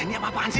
ini apa apaan sih